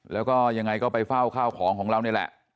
แล้วก็ยังไงก็ไปเฝ้าข้าวของของเรานี่แหละ